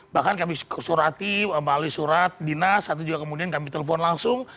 bahkan kami surati melalui surat dinas satu juga kemudian kami telepon langsung